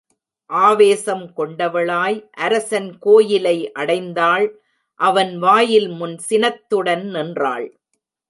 ஆவேசம் கொண்டவளாய் அரசன் கோயிலை அடைந் தாள் அவன் வாயில் முன் சினத்துடன் நின்றாள்.